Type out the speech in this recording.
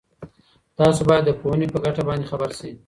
تاسو باید د پوهني په ګټه باندي خبر سئ.